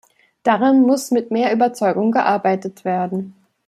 Daran muss mit mehr Überzeugung gearbeitet werden.